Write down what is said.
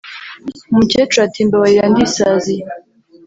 umukecuru ati"mbabarira ndisaziye